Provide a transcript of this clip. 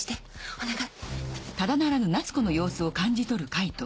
お願い。